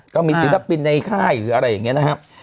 ก็มีศิลปินในค่ายหรืออะไรอย่างนี้นะครับ